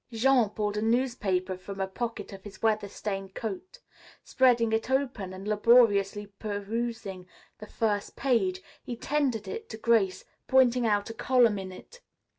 Jean pulled a newspaper from a pocket of his weather stained coat. Spreading it open and laboriously perusing the first page, he tendered it to Grace, pointing out a column in it.